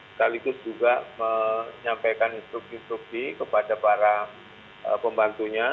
sekaligus juga menyampaikan instruksi instruksi kepada para pembantunya